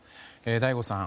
醍醐さん